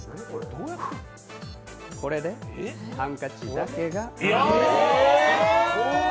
これで、ハンカチだけが。